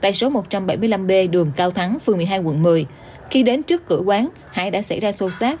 tại số một trăm bảy mươi năm b đường cao thắng phường một mươi hai quận một mươi khi đến trước cửa quán hải đã xảy ra sâu sát